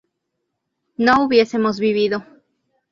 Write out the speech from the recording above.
¿no hubiésemos vivido?